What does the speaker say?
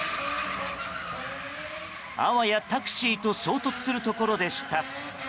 あわやタクシーと衝突するところでした。